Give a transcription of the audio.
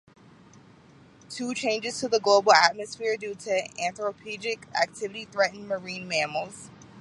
Two changes to the global atmosphere due to anthropogenic activity threaten marine mammals.